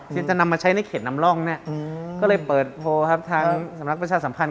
จะนำมาใช้ในเขตนำร่องเนี่ยก็เลยเปิดโพลครับทางสำนักประชาสัมพันธ